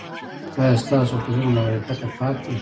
ایا ستاسو غوږونه له غیبت پاک دي؟